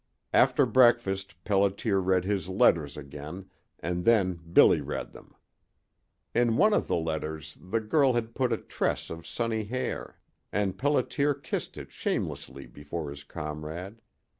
After breakfast Pelliter read his letters again, and then Billy read them. In one of the letters the girl had put a tress of sunny hair, and Pelliter kissed it shamelessly before his comrade.